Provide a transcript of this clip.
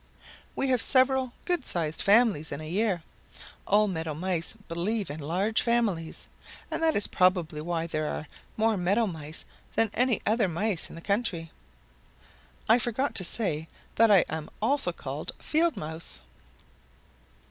We have several good sized families in a year. All Meadow Mice believe in large families, and that is probably why there are more Meadow Mice than any other Mice in the country. I forgot to say that I am also called Field Mouse."